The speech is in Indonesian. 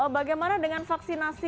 bagaimana dengan vaksinasi